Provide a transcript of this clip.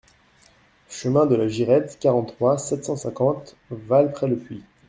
Chemin de la Girette, quarante-trois, sept cent cinquante Vals-près-le-Puy